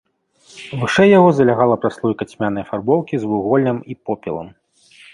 Вышэй яго залягала праслойка цьмянай афарбоўкі з вуголлем і попелам.